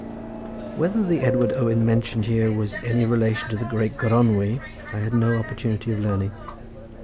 Whether the Edward Owen mentioned here was any relation to the great Gronwy, I had no opportunity of learning.